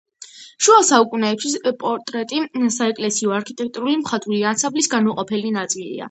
შუა საუკუნეებში პორტრეტი საეკლესიო არქიტექტურულ-მხატვრული ანსამბლის განუყოფელი ნაწილია.